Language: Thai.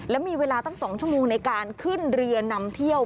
และมีเวลาตั้ง๒ชั่วโมงในการขึ้นเรือนำเที่ยว